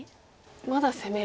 まだ攻めれる。